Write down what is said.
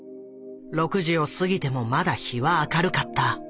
６時を過ぎてもまだ日は明るかった。